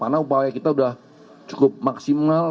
karena upaya kita sudah cukup maksimal